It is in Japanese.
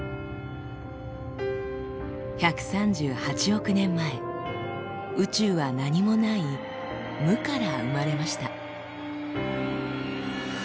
１３８億年前宇宙は何もない「無」から生まれました。